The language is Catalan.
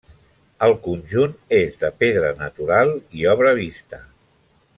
El conjunt és de pedra natural i obra vista.